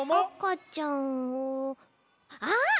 あっ！